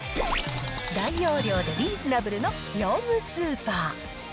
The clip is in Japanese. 大容量でリーズナブルの業務スーパー。